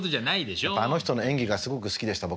やっぱあの人の演技がすごく好きでした僕は。